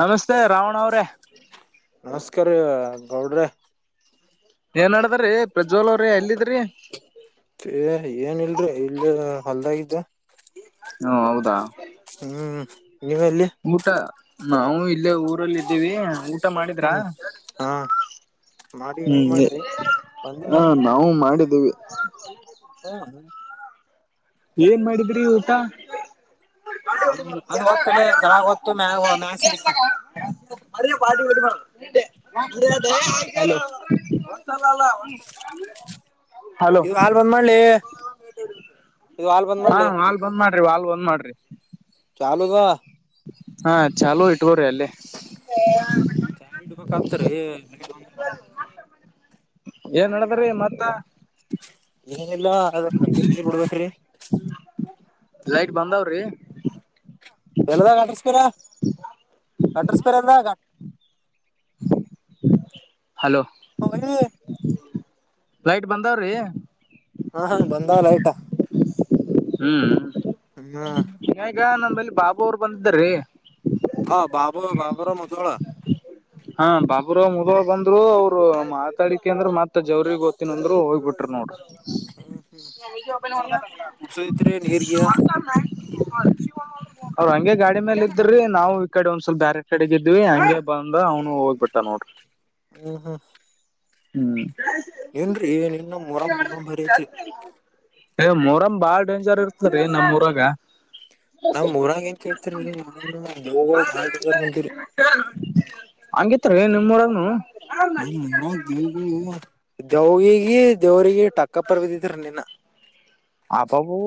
ನಮಸ್ತೆ ರಾವಣ ಅವ್ರೆ ನಮಸ್ಕಾರ ರೀ ಗೌಡ್ರ ಏನ ನಡದರಿ ಪ್ರಜ್ವಲ ಅವರೆ ಎಲ್ಲಿದ್ರಿ ಇಲ್ಲೇ ಹೊಲ್ದಾಗಿದ್ದ ಓ ಹೌದಾ ಹ್ಮ್ ನೀವೆಲ್ಲಿ ಊಟ ನಾವು ಇಲ್ಲೇ ಊರಲ್ಲಿ ಇದ್ದೀವಿ ಊಟ ಮಾಡಿದ್ರ ಹ್ಮ್ ಹಾ ಮಾಡಿ ನೀವ್ ಹ್ಮ್ ಮಾಡ್ರಿ ಬಂದಿಲ್ಲ ಹ ನಾವು ಮಾಡಿದ್ದೀವಿ ಹು ಹು ಏನ್ ಮಾಡಿದ್ರಿ ಊಟ [inaudible] ಅದು ಒತ್ತಲ್ಲ ತಳಗ ಹೊತ್ತು ಮ್ಯಾಗ ಮ್ಯಾಗ ಸಿಡಿತ ಅದ ಪಾರ್ಟಿ ಬಿಲ ಅಲ್ಲ ಉಂಟು [unintelligible] ಹ [inaudible] ಇದು ವಾಲ್ ಬಂದ್ ಮಾಡ್ ಲೇ ಹಾ ವಾಲ್ ಬಂದ್ ಮಾಡ್ರಿ ವಾಲ್ ಬಂದ್ ಮಾಡ್ರಿ ಚಾಲುದ ಹಾ ಚಾಲು ಇಟ್ಕೋರಿ ಅಲ್ಲೇ ಕತರಿ ಬಂದಲ್ವಾ ಏನ್ ನಡದರೀ ಮತ್ತ ಏನಿಲ್ಲ ಅದ ಕಡ್ಡಿ ನೀರ್ ಬಿಡ್ಬೇಕ್ರಿ ಲೈಟ್ ಬಂದ್ ಅವರಿ ಎಲ್ಲದಾಗ ಆಡಿಸಸ್ತೀರಾ [inaudible] ಕಟ್ರಸ್ ಪರಂದ ಹಲೋ ಹೌಲಿ ಲೈಟ್ ಬಂದಾವ್ರಿ ಹಾ ಹಾ ಬಂದಾವ ಲೈಟ್ ಹ್ಮ್ ಹ ಆಮೇಲೆ ಬಾಬು ಅವರು ಬಂದಿದ್ದ ರೀ ಹ ಬಾಬು ರ ಬಾಬುರಾ ಮಜುಳ ಹಾ ಬಾಬುರಾವ್ ಮುದಳ ಬಂದ್ರು ಅವ್ರು ಮಾತಾಡಿಕ ಅಂದ್ರ ಮತ್ತ ಜವ್ರಿಗೆ ಓತ್ತಿನ ಅಂದ್ರು ಹೋಗ್ಬಿಟರು ನೋಡ್ ಹ್ಮ್ ಹ್ಮ್ ಕುಡ್ಸೋದತ್ರಿ ನೀರ್ ಗಿರ ಮಚ [unintelligible] ಅವ್ರ್ ಹಂಗೆ ಗಾಡಿ ಮೇಲೆ ಇದ್ರೀ ನಾವು ಈ ಕಡೆ ಒಂದ್ಸವಲ್ ಬೇ ಕಡೆಗ ಇದ್ವಿ ಹಂಗೆ ಬ ಅಂದ ಅವ್ನು ಹೋಗ್ಬಿಟ್ಟ ನೋಡ್ರಿ ಹ ಹಾ ಹ್ಮ್ ಏನ್ರೀ ಇನ್ನ ಮುರ ಮುರಂ ಬಾರಿ ಐತ್ರಿ ಏ ಮೊಹರಂ ಬಾಳ್ ಡೇಂಜರ್ ಇರ್ತರಿ ನಮ್ ಊರಾಗ ನಮ್ ಮುರಂಗ ಎಂತ ಕೇಳ್ತರಿರಿ ಮುರಂಗ ದೇವುಗಳು ಬಾಳ್ ಡಜಾರ್ ಬಂತೀರಿ ಹಂಗಿತ್ ರೀ ನಿಮ್ಮ ಊರಾಗ ನು ನ ದವಿಗೆ ದೇವ್ರಿಗೆ ಟಕ್ಕ ಪರ್ವದಿದ್ರ ನೀನ್ನ ಹಬ್ಬಬು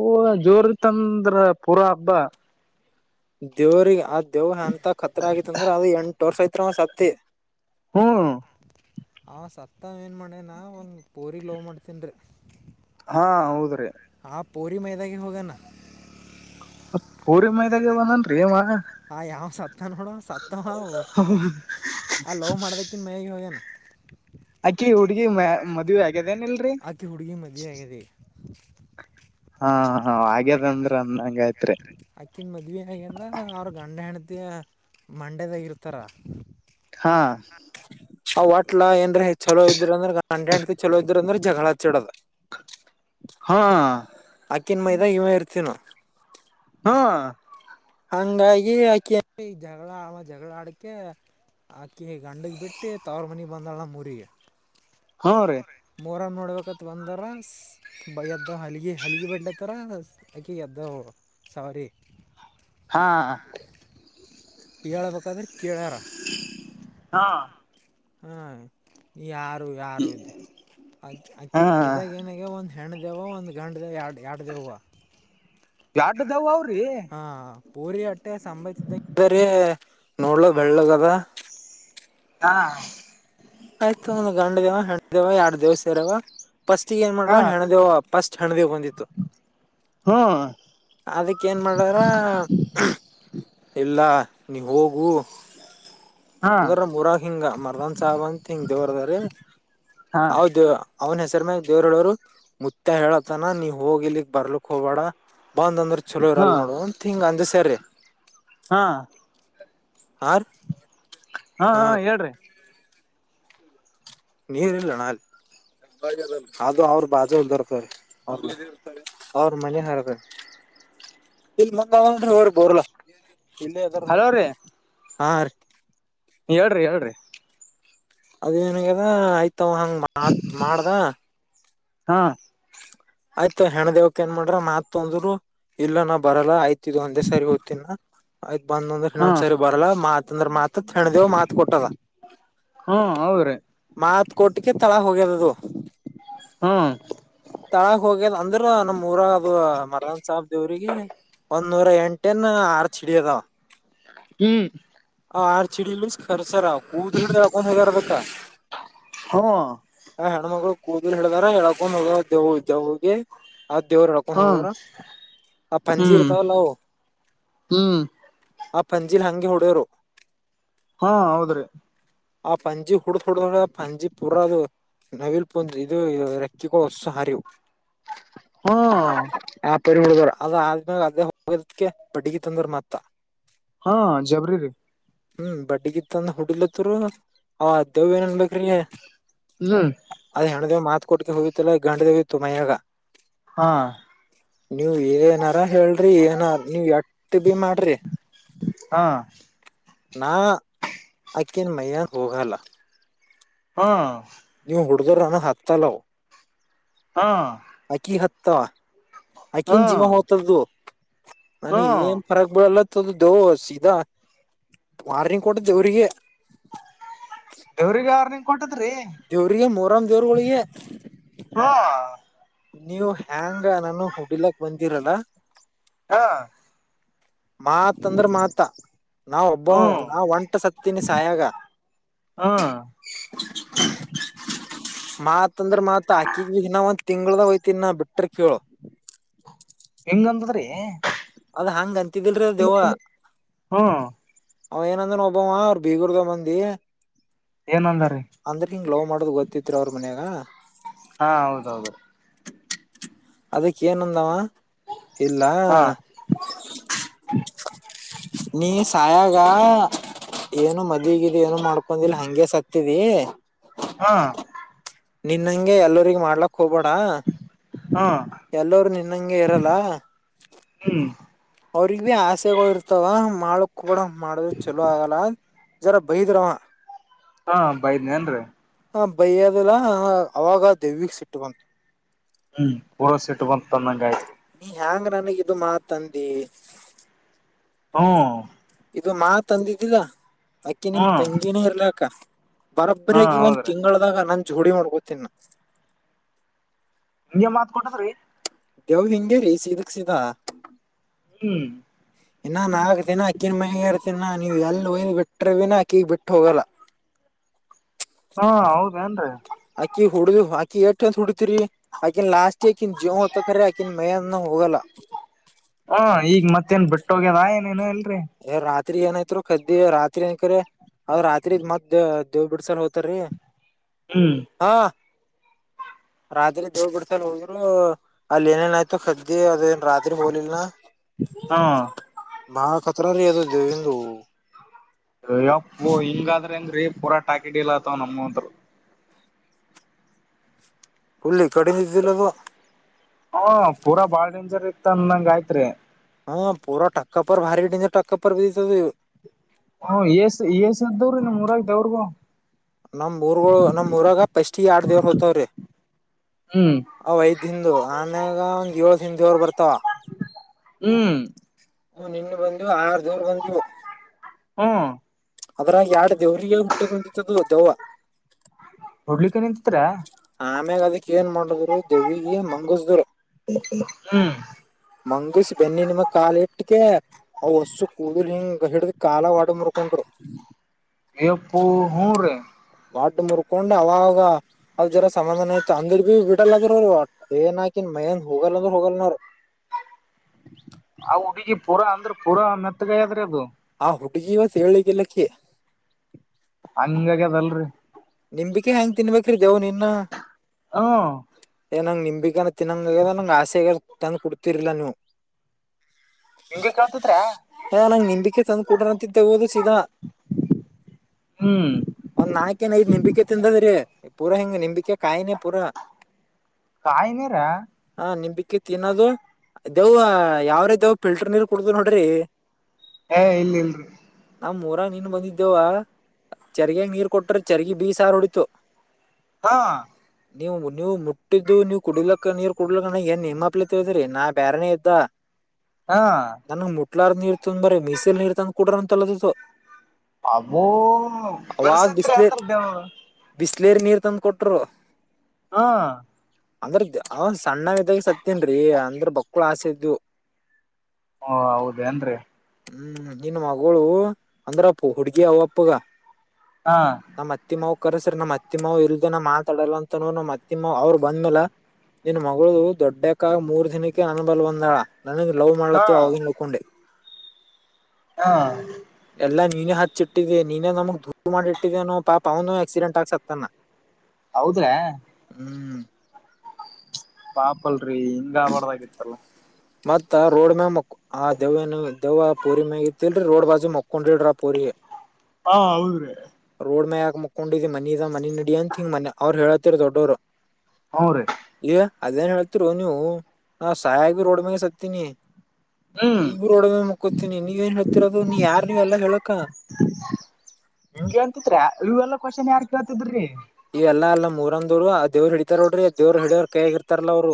ಜೋರ್ತ್ತಂದ್ರ ಪೂರಾ ಹಬ್ಬ ದೇವ್ರಿಗೆ ಆ ದೇವ್ ಎಂತ ಖತ್ರ ಆಗತಿ ಅಂದ್ರ ಅದ ಎಂಟ ವರ್ಷ ಐತ್ತ್ರ ಅವ ಸತಿ ಹ್ಮ್ ಆ ಸತ್ತ ವ ಏನ್ ಮಾಡ್ಯನಾ ಒನ್ ಪೋರಿ ಲವ್ ಮಾಡ್ತೀನ ರೀ ಹಾ ಹೌದ್ರಿ ಪೌರಿ ಮಜೆದ ಕ ಹೋಗೋಗನ್ನ ಪೂರಿ ಮೈದಾಗೆ ಬಂದನ ಆ ಯಾವ್ ಸತ್ತ ನೋಡು ಸತ್ತವು ಆ ಲೋವ್ ಮಾಡ್ದಕಿನ್ ಮೇಗ ಹೋಗ್ಯನ ಅಕ್ಕಿ ಹುಡುಗಿ [unintelligible] ಮದುವೆ ಆ ಹಕ್ಕಿ ಹುಡುಗೆ ಮದುವೆ ಆಗದೆ ಹಾ ಹಾಗ್ಯದಂದ್ರ ಅಂದಂಗಯ್ತ್ರಿ ಅಕ್ಕಿನ ಮದ್ವೆ ಆಗಲ್ಲ ಅವ್ರ ಗಂಡ ಹೆಂಡತಿ ಮಂಡ್ಯದಾಗಿ ಇರ್ತಾರ ಹಾ ಆ ವಟ್ಲಾ ಏನ್ರ ಚಲೋ ಇದ್ರ ಅಂದ್ರೆ ಗಂಡಂಡತಿ ಚಲೋ ಇದ್ರ ಅಂದ್ರೆ ಜಗಳ ಚಡದ ಹಾ ಅಕ್ಕಿನ ಮೈದ ಇವ ಇರ್ತಿನ ಹ್ಮ ಹಂಗಾಗಿ ಆಕಿ ಜಗಳ ಆ ಜಗಳ ಆಡಕ [inaudible] ಆಕಿ ಗಂಡಗೆ ಬಿಟ್ಟು ತವ್ರ ಮನೆಗೆ ಬಂದಳ ನ ಮುರಿ ಹಾ ರೆ ಮೊಹರಂ ನೋಡ್ಬೇಕತ್ ಬಂದಾರ ಎದ್ದ ಹಲಗೆ ಹಲಗೆ ಬಿಡ್ಲತ್ತಾರ ಅಕಿ ಎದ್ದ ಅವರ ಸಾರಿ ಹಾ ಎಯಳ ಬೇಕಾದ್ರ ಕೆಲ್ಯಾರ ಹಾ ಹಾ ಯಾರು ಯಾರು ಇ ಅಕ್ಕಿನ ಮೈದಾಗ ಏನಾಗ ಒಂದು ಹೆಣ್ಣಿದೆವ್ವ ಒಂದು ಗಂಡ ದೆವ್ವ ಎರಡು ಎಡಿದೆವು ಎಡ್ದವ ಅವ್ರಿ [unintelligible] ಹಾ ಪರಿ ಅಟ್ಟೆ ಸಂಭ ನೋಡ್ಲ ಬೆಳ್ಳಗ್ದ ಹಾ ಆಯ್ತು ಒಂದ ಗಂಡ ದೇವ ಹೆಣಂಡ ದೇವ ಯಾರ್ ದೇವ ಸೇರವ ಫಸ್ಟ್ ಏನ್ ಮಾಡ್ರ ಹೆಣದೇವ ಫಸ್ಟ್ ಹೆಣದೇವ ಬಂದಿತ್ತು ಹ್ಮ ಅದಕ್ಕ ಏನ್ ಮಾಡಾರ ಇಲ್ಲ ನೀವು ಹೋಗು ಹಾ ಅಂದ್ರ ಮೂರಕ ಹಿಂಗ ಮರ್ದನ್ ಸಬ ಅಂತ ಹಿಂಗ ದೇವ್ರದ್ರ ಹಾ ಹಾ ಅವ ದೇವ ಅವನ್ ಹೆಸರ ಮ್ಯಾಗ ದೇವ್ರಡವರು ಮುತ್ತ ಹೇಳತ್ತನ ನೀವ ಹೋಗಿ ಇಲಿಕ್ ಬರ್ಲಕ್ ಹೋಗಬೇಡ ಬಂದ್ ಅಂದ್ರೆ ಚಲೋ ಹಾ ಇರಲ್ಲ ನೋಡು ಹಿಂಗ್ ಅಂದ್ ಸೇರಿ ಹಾ ಆ ಹಾ ಹಾ ಹೇಳ್ರಿ ನೀರ್ ಇಲ್ಲ ನಾಲ ಅದು ಅವ್ರ ಬಾಜ ಬರ್ತವ್ರ ಅವ ಮನೆ ಹಾರದ ಇಲ್ ಮುಂದಂದ ಹ್ರ ಬುಲ ಇಲ್ಲಿದ ನ ಹಲೋ ರೀ ಹಾ ಹೇಳ್ರಿ ಹೇಳ್ರಿ ಅದೇನ್ಂಗ್ಯದ ಆಯ್ತವ ಹಂಗ್ತ್ ಮಾಡ್ದ ಹಾ ಆಯ್ತು ಹೆಣ ದೇವಕ್ ಏನ್ ಮಾಡ್ರ ಮತ್ ತುದ್ರು. ಇಲ್ಲ ನಾ ಬರಲ್ಲ ಆಯ್ತು ಒಂದೇ ಸಾರಿ ಹೋಗ್ತೀನ ನ ಆಯ್ತ. ಬಂದ ಅಂದ್ರೆ ಹಾ ಇನೊಂದು ಸರಿ ಬರಲ್ಲ ಮಾತ ಅಂದ್ರ ಮಾತ ಹೆಣ ದೇವ್ ಮಾತ್ ಕೊಟ್ಟದ. ಹ್ಮ ಹೌದ್ರೀ ಕೋಟ್ಗೆ ತಳ ಹೋಗಿರದು ಹಾ ತಳಾಗ ಹೋಗ್ಯದ್ ಅಂದ್ರ ನಮ್ ಊರ ಅದು ಮರ್ದನ್ ಸಾಬ್ ದೇವ್ರಿಗೆ ಒ ನೂರ ಎಂಟನ್ ಆರ್ ಚಿಡಿಯದಾವ ಹ್ಮ ಆ ಆರ್ ಚಿಡಿಲ್ಲಿ ಕರ್ಸರಾವ ಊದ್ರಿಡ ಯಾಕೊಂದ್ ಹೋಗರ್ಬೇಕಾ ಹ್ಮ್ ಹ ಹೆಣ್ಮಳ ಕೂದಲು ಹೇಳ್ದಾರ ಎಳಕೊಂಡ್ ಹೋಗವು ದೇವು ದವಗೆ ಅದ್ ದೇವ್ರ ಹ್ಮ ಅಪನವರ ಆ ಹ್ಮ್ ಪಂಜಿ ಹ್ಮ್ ಇರ್ತಾವಲ್ಲ ಅವು. ಹ್ಮ್ ಆ ಫಂಜಿನಾ ಹಂಗೆ ಹೊಡ್ಯೋರು. ಹಾ ಹೌದ್ರಿ. ಆ ಪಂಜಿ ಹುಡ್ದ ಹುಡದ ಪಂಜಿ ಪುರ ಅದು. ನವಿಲ್ ಪೊ ಇದು ರೆಕ್ಕಗೋ ಹೊಸ ಹರಿವು. ಹ್ಮ ರೆಡಿ [unintelligible] ಅಲ್ಲೀಕೆ ಅದೇ ಹೋಗದಕ ಬಡ್ಗಿ ತಂದ್ರ ಮತ್ತ. ಹಾ ಜಬರಿ ರಿ ಹ್ಮ್ ಬಡ್ಡಿಗಿತ್ತಂದ ಹುಡಿಲತ್ತರು ಆ ಅ ದೇವು ಏನನ್ಬೇಕು. ರೇ ಹ್ಮ್ ಅದ್ ಹೆಣ್ದೇವ ಮಾತ್ ಕೊಟ್ಕ ಹೋಗಿತ್ತಲ್ಲ ಗಂಡ್ದೇವಿತ್ತು ಮಯ್ಯಾಗ. ಹಾ ನೀವ ಏನಾರ ಹೇಳ್ರಿ ಏನ ನೀವ್ ಎಟ್ಟ ಬಿ ಮಾಡ್ರಿ. ಹಾ ನಾ ಅಕ್ಕಿನ ಮೈಯ್ಯನ್ ಹೋಗಲ್ಲ. ಹಾ ನೀವು ಹುಡ್ರ್ ಅನ ಹಾತಾ ಲಹು. ಹಾ ತ್ತ ಹಾ ಆಕನ್ ಜೀವ ಹ್ಮ ಹೋಗ್ತದ್ದು ನಾನ ಏನ್ ಫರಕ್ ಬಿಡಲ್ಲ. ತು ದೋ ಸೀದಾ ವಾರ್ನಿಂಗ್ ಕೊಟ್ಟ್ದವ್ರಿಗೆ. ದವ್ರಿಗೆ ಅವಾರ್ ನಿಂ ಕೊಂಡು. ರೀ ದೇವ್ರಿಗೆ ಮೊರಂ ದೇವ್ರಗಳಿಗೆ ಲೋ ನೀವು ಹೆ್ಯಾಂಗ ನಾನು ಹುಡಿಲಕ್ ಬಂದೀರಲ್ಲ. ಹಾ ಮಾತ್ ಅಂದ್ರೆ ಮಾತ ನಾವ್ ಒಬ್ಬ ಹ್ಮ್ ನಾವ ಒಂಟ ಸತ್ತಿನಿ ಸಾಯಾಗ ಹ್ಮ್ [unintelligible] ಮಾತ್ ಅಂದ್ರ ಮಾತ್ ಆಕಿಗ್ ಬಿ ನಾವಂತ ತಿಂಳದ ಓಯ್ ತಿ ನ ಬಿಟ್ರ ಕೇಳೋ. ಏನಂದ್ರೆ ಅಲ್ಲ ಹಂಗ ಅಂತಿದ್ದಿಲ್ರಿ ದೇವ. ಹ್ಮ್ ಅವ ಏನಂದ್ರ ಒಬ್ಬಮ್ಮ ಅವ್ರ ಬೀಗೂರ್ದ ಬಂದಿ. ಏನಂದಾರೀ ಅಂದ್ರ ಹಿಂಗ ಲವ್ ಮಾಡೋದ ಗೊತ್ತಿತ್ರಿ ಅವ್ರ ಮನ್ಯಾಗ. ಹಾ ಹೌದೌದು ಅದಕ್ಕೆ ಏನುಂದಾವ ಇಲ್ಲ. ಹಾ ನೀ ಸಾಯಾಗ ಏನು ಮದಗಿದ ಏನು ಮಾಡ್ಕೊಂಡಿಲ್ಲ ಹಂಗಗೆ ಸತ್ತಿದಿ. ಹಾ ನಿನ್ಂಗೆ ಎಲ್ಲರಿಗ ಮಾಡ್ಲಕ್ ಹೋಗ್ಬೋಡ ಹಾ ಎಲ್ಲರುೂ ನಿನ್ನಂಗೆ ಇರಲ್ಲ. ಹ್ಮ್ ಅವ್ರಗ್ ಭೀ ಆಸೆಗಳು ಇರ್ತಾವ ಮಾಡಕ್ ಕೂಡ ಮಾಡದು ಚಲೋ ಆಗಲ್ಲ. ಜರಾ ಬಹದ ರ ಹಾ ಬೈದ್ನಿ ಏನ್ರರಿ ಹ ಬೈಯ್ಯದಲ್ಲ ಅವಾಗ ದೆವ್ವಗ್ ಸಿಟ್ಟ ಬಂತು ಹ್ಮ್ ಪೂರಸಟ್ ಬಂತ ನಂಗಗೆ ಆಯ್ತು. ಹೆಯಾಂಗ ನನಗ ಇದು ಮಾತ್ಂದಿ ಹ್ಮ ಇದು ಮಾ ತಂದಿದ್ದಿಲ್ಲ ಅಕೆ ನಿಮ್ ಹ್ಮ್ ತಂಗಿನೇ ಇರ್ಲ ಅಕ್ಕ. ಹಾ ಬರೊಬ್ಬರಿಗಿ ಇ ಒಂದ್ ಹೌದ್ರಿ ತಿಂಗಳದಾಗ ನಾನ್ ಜೋಡಿ ಮಾಡ್ಕೊತೀನ್. ನಿಗೆ ಮಾತ್ ಕೊಟದ್ರೀ. ದವ್ ಹಿಂಗೇರಿ ಸೀದಕ್ ಸೀದಾ. ಹ್ಮ್ ಇನ್ನ ನಾತಿನ ಅಕ್ಕಿನ ಮೈ ಇರ್ತೀನ ನೀವ್ ಎಲ್ಲ ನ್ ಬಿಟ್ರವಿನ ಆಕೆ ಈಗ್ ಬಿಟ್ಟು ಹೋಗಲ್ಲ. ಹಾ ಹೌದೇಏನ್ರಿ ಆಕಿ ಹುಡ ಹಾಕಿ ಏತ್ ಹುಡತತಿರಿ ಆಕಿನ್ ಲಾಸ್ಟ್ ಕನ್ ಜತರಕನ್ ಮ ಹೋಗಲ್ಲ ಹೋಗ್ಯದಾ ಏನು ಎಲ್ಲಿ ಯ ರಾತ್ ರಾತ್ರಿ ಏನಯತ್ರು ಕದ್ದಿ ರಾತ್ರಿ ನಕ ಅದ್ ರಾತ್ರಿ ಇದ್ ಮತ್ ದೇವ ಬಿಡ್ಸಲ್ ಹೋತಾರೀ ಹ್ಮ್ ಹಾ ರಾತ್ರಿ ದೋಡ್ ಬಿಡ್ಸಲ್ ಹೋದ್ರು ಅಲ್ಲಿ ಏನೇನಯ್ತು ಕದ ಇ ಅದ ರತ್ರಿ ಬಲಿಲ್ಲ ನ ಮ ಅ ಯಪ್ಪೋ ಹಿಂಗಾದ್ರೆ ಹೆಂಗ ರೇ ಪೂರ ಟಾಕಿ ಲ್ ಆತವ ನಮ್ ಅಂರು ಫುಲ್ ಈ ಕಡಿಂದ ಇದ್ದಿಲ್ಲ ಅದು ಹ ಪೂರಾ ಬಾಳ್ ಡೇಂಜರ್ ಇತ್ತ ಅಂದಂಗ ಆಯ್ತ್ರ ಹಾ ಪೂರ ಟಕಪರ್ ಬಾರಿ ಟಕಪರ್ ಹ್ ಎಸ್ ಎಷ್ಟ ಅದವ್ರಿ ನ ಮೂರಾಗ್ದವ್ರಗೂ ನಮ್ ಊರ್ ನಮ್ ಊರಾಗ ಪಸ್ಟಿ ಆರ್ ದೇವ್ರ ಹತವ್ರಿ ಹ್ಮ್ ಅವಐದ ಹಿಂದಂದು ಆಮ್ಯಾಗ ಒಂದ್ ಏಳ್ ಹಿಂದವರ್ ಬರ್ತಾವ ಹ್ಮ್ ಹ ನಿನ್ನ ಬಂದವು ಆರ್ ದವರ್ ಬಂದವು ಹ್ಮ ಅದ್ರಾಗ ಎರಡು ದೇವ್ರರಿಗೆ ಉಟಕ್ಕೆ ಬಂದಿತ್ತದದು ದೇವ ಹಡ್ಲಿಕ್ಕೆ ನಿಂತತ್ರ ಆಮ್ಯಾಗ ಅದಕ್ ಏನ್ ಮಾಡುದ್ರು ದೇವಿಗೆ ಮಂಗಸ್ದರು ಹ್ಮ್ ಮಂಗಸ ಬೆನ್ನಿ ನಿಮ ಕಾಲ ಇಟ್ಟಕ ಅವ್ ಹೊಸ್ಸು ಕೂದಲು ಹಿಂಗ ಹಿಡಿದ ಕಾಲ ಒಡ ಮರ್ಕೊಂಡರು ಪ್ಪು ಹರೆ ವಾಡ್ ಮುರ್ಕೊಂಡ್ ಅವಾಗ ಅದ ಜರ ಸಮಾಧಾನ ಐತ ಅಂದಿಡ್ ಭೀ ಬಿಡಲ್ಲದ್ರ ಅವರು ಏನ್ ಹಾಕನ್ ಮೈನ್ ಹೋಗಲ್ಲ ಅಂದ್ರರು ಹೋಗಲ್ಲನ ಅವರು ಆ ಹುಡುಗಿ ಪೂರಾ ಅಂದ್ರೆ ಪೂರಾ ಮೆತ್ತಗಾಯದ್ರೆ ಅದು ಹಾ ಹುಡ್ಗಿವಸ್ ಏಳ್ಕಲ್ಲಕ್ಕ ಹಂಗಗ್ಯದಲ್ರರಿ ನಿಂಬಿಕೆ ಹೆಂಗ್ ತಿನ್ಬೇಕ್ರಿ ದವು ನಿ ಇನ್ನ ಹ ಬಗನ ತಿನ್ನಂಗ ನಂಗೆ ಆಸೆಗ ತಂದು ಕೊಡ್ತಿರ್ಲಿಲ್ಲ ನೀವು ಎಂಗ ಕತ ಹಾ ನಂ ನಿಂಬಿಕೆ ತಂದ್ ಕುಡಾರ ಅಂತಿದ್ದೆ ಓದು ಸದಾ ಹ್ಮ್ ನಿಂಬಿಕೆ ತಿಂದದ್ರೀ ಪೂರಾ ಹಿಂಗ ನಿಂಬಿಕೆ ಕಾಯಿನೇ ಪೂರಾ ಕಾಯಿನರ ಆ ನಿಂಬಿಕೆ ತಿನ್ನೋದು ದೇವು ಯಾವ್ರ ದವು ಫಿಲ್ಟರ್ ನೀರ್ ಕುಡುದು ನೋಡ್ರಿ ಹಾ ಇಲ್ ಇಲ್ರಿ ನಮ್ ಮೂರಾಗ ನೀನು ಬಂದಿದ್ದೇವ ಚರ್ಗ್ಯಾಗ ನೀರ್ ಕೊಟ್ರ ಚರ್ಗಿ ಬೀ ಸಾರ ಹೊಡಿತು ಹಾ ನೀವು ನೀವು ಮುಟ್ಟಿದ್ದು ನೀವವು ಕುಡಿಲಕ್ಕ ನೀರ್ ಕುಡ್ಲಕ್ಕಣ ಏನ್ ನಿಮ್ಮಪ್ಲಿ ತಿಳಿದ್ರರಿ ನಾ ಬೇರನೇ ಇದ್ದ ಹಾ ಕಟ್ಲಾರ್ ನೀರ್ ತಂದ ಬ್ರ ಮೀಸಲ್ ನೀರ್ ತಂದ್ ಕುಡ್ರ ಅಂತ ಅಲು ಅಬೋ ಬೆರೆಸ ಎತ್ರ ಅ್ದ ಬಿಸಲೇರಿ ನೀರ್ ತಂದು ಕೊಟ್ರು ಹಾ ಅಂದ್ರ ಅವ ಸಣ್ಣಿದಾಗ ಸತ್ತನ್ರೀ ಅಂದ್ರ ಬಕ್ಳ ಆಸೆ ಇದವು ಹಓ ಹೌದ ಅಏನ್ ರಿ ಹ್ಮ್ ನಿನ್ ಮಗಳು ಅಂದ್ರ ಅಪ್ಪು ಹುಡ್ಗಿ ಅವಪ್ಪಗ ಹಾ ನಮ್ಮ್ ಅತ್ತಿ ಮಾವ ಕರಸ್ರ ನಮ್ಮ ಅತ್ತಿ ಮಾವ ಇಲ್ದನ ಮಾತಾಡಲ್ಲ ಅಂತೋ ನಮ್ಮ್ ಅತ್ತಿ ಮಾವ ಅವರು ಬಂದ್ಮಲ ನಿನ್ ಮಗಳ ದೊಡ್ಡಕ್ಕಾಗ ಮೂರ್ ದಿನಕ್ಕೆ ನನ್ ಬಲ್ ಬಂದಾಳ ನನ ಲವ್ ಹಾ ಮಾಡ್ಲತ್ತವ ಅವವಾಗಿನ್ ನಕೊಂಡೆ ಹಾ ಎಲ್ಲಾ ನೀನೇ ಹಚ್ಚಿಟ್ಟಿದ್ದಿದೆ ನೀನೆೇ ನಮಗ್ ದೂರು ಮಾಡಿಟ್ಟಿದೆ ಅನೋ ಪಾಪ ಅವನು ಆಕ್ಸಿಡೆಂಟ್ ಆಕ್ಸತ್ತನ ಹೌದ್ರಾ ಪಾಪಲ್ರರಿ ಹಿಂಗ ಆಬಾರ್ದಾಗಿತ್ತಲ್ಲ ಮತ್ತ ರೋಡ್ ಮ್ಯಾಗ ಮಕ್ ಆ ದೆವ್ವ ದೆವ್ವ ಪೂರಿ ಮ್ಯಾಗ ಇತಿಲ್ರರಿ ರೋಡ್ ಬಾಜಿ ಮಕ್ಕೊಂಡ್ರಿಡ್ರ ಪೂರಿ ಹ ಹಾ ಹೌದ್ರಿ ರೋಡ್ ಮಾಕ್ ಮುಕ್ಕಕೊಂಡಿದಿ ಮ ಇದ ಮನಿ ನಡಡಿ ಅನ್ಥಿಂಗ ಮನೆ ಅವ್ರು ಹೇಳಳ್ತ್ತತಿರ್ ದೊಡ್ಡೋರು ಹ್ಮ ರೀ ಏ ಅದೇನ್ ಹೇಳ್ತಿರು ನೀವು ನಾ ಸಾಯಾಗಿ ರೋಡ್ಗ ಸತ್ತೀನಿ ಹ್ಮ್ ಈಗರು ಒಡ ಮುಕ್ಕೊತೀನಿ ನೀವ ಏನ್ ಹೇಳ್ತಿೀರೋದು ನೀ ಯಾರ್ ನೀ ಎಲ್ಲಾ ಹೇಳಕ ಹಂಗಗೆೇಂತತ್ ಇವೆಲ್ಲ ಕ್ವನ್ ಯಾರ್ ಕೇಳ್ತಿದ್ರಿ ಇವೆಲ್ಲ ಎಲ್ಲಾ ಮೂರಂದ ದೋರು ದೇವರು ಹಿಡಿತಾರ ನೋಡ್ರಿ ದೇವ್ ಹಿಡಿಯವ ಕೈ ಆಗ ಇರ್ತಾರಲ್ಲ ಅವರು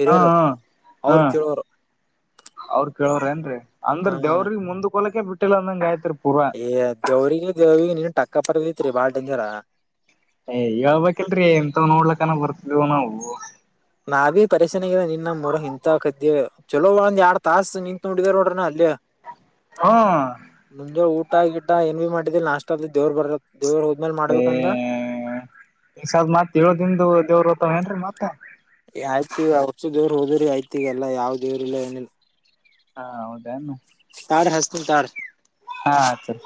ಹಿರಿಯಾರ ಅವರು ಕೇಳೋರು ಅವ್ರರು ಕೇಳವ್ರ ಏನ್ರೀ ಅಂದ್ರ ಹಾ. ದೇವ್ರಿಗ್ ಮುಂದ್ ಕೊಲಕೆ ಬಿಟ್ಟಿಲ್ಲ ಅಂದಂಗ ಆಯ್ತ್ರಿ ಪೂರಾ ಏ ದೇವ್ರಿಗೆ ದೇವ್ರಿಗೆ ನೀನ್ ಟಕ್ಕ ಪರ್ದತ್ರಿ ಬಾಳ್ ದಿಂದರ ಏ್ ಇವಾಗ್ಬೇಕಕ್ಲ್ರಿ ಎಂತ ನೋಡ್ಲಕ್ಕನ ಬರ್ತವು ನಾವು ನಾವೀ ಪರಿಸಶನಗಲ್ಲ ನಿನ್ನ ಮೂರ ಇಂತಕದ್ದಿ ಚಲೋ ಒಂದ್ ಎರಡ್ ತಾಸ ನಿಂತುೊಂಡಿದ ನೋಡ್ರನ ಅಲ್ಲಿ ಹಾ ಗ ಗಿಟ ಏನ್ ಮಾಡಿದ್ದಿದೆ ಲಾಸ್ಟ್ ಆದ ದೇವರ್ ಬರತ್ತತ್ ಏ ಈಸ ಮತ್ ಏಳ ದನ್ ದೇವ್ರ ಹತಾವ ಏನ್ರಿ ಮತ್ತ ಆಯ್ತಿ ಈಗ ಅವಷ್ಟು ದೇವರ್ ಹೋದ್ರಿ ಆಯ್ತಿ ಈ ಎಲ್ಲ ಯಾವ್ ದೇವರ್ಲ್ಲ ಏನಿಲ್ಲ ಹಾ ಹೌದನ್ನು [inaudible] ಸರಿ